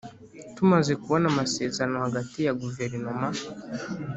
Tumaze kubona amasezerano hagati ya guverinoma